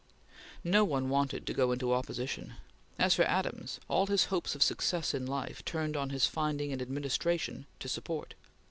No one wanted to go into opposition. As for Adams, all his hopes of success in life turned on his finding an administration to support.